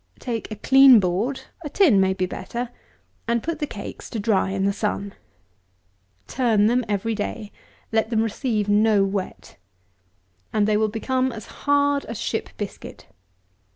Take a clean board (a tin may be better) and put the cakes to dry in the sun. Turn them every day; let them receive no wet; and they will become as hard as ship biscuit.